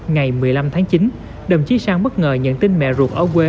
ngày một mươi năm tháng chín đồng chí sang bất ngờ nhận tin mẹ ruột ở quê